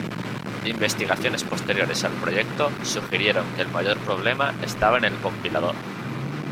Investigaciones posteriores al proyecto sugirieron que el mayor problema estaba en el compilador.